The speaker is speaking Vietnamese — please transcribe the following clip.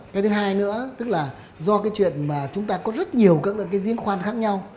cái thứ hai nữa tức là do chuyện mà chúng ta có rất nhiều riêng khoan khác nhau